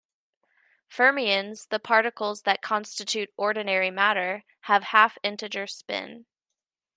Fermions, the particles that constitute ordinary matter, have half-integer spin.